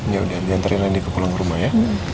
ya udah diantarin lagi ke pulang ke rumah ya